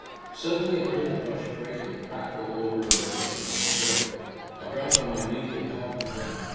Suddenly I heard the brush break and crackle over in the direction of my brother. I dropped on my knee and cocked my gun.